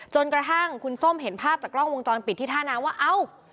จนกระทั่งคุณส้มเห็นภาพจากกล้องวงจรปิดที่ท่าน้ำว่าเอ้า